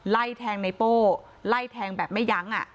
ไล่แทงในโป้ไล่แทงแบบไม่ยั้ง